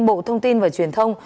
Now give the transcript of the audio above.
bộ thông tin và truyền thông